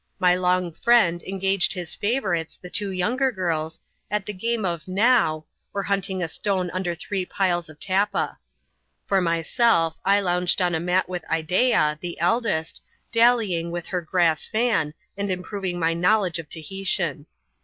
My long friend engaged his favourites, the two younger girls, at the game of " Now," or hunting a stone under three piles of tappa. For myself, I lounged on a mat with Ideea, the eldest, dallying with her grass fan, and improving my knowledge of Tahitian.